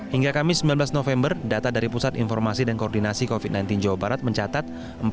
hingga kamis sembilan belas november data dari pusat informasi dan koordinasi covid sembilan belas jawa barat mencatat